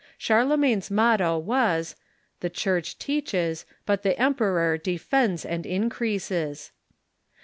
Charlemagne's motto was :" The Church teaches ; but the emperor defends and increases."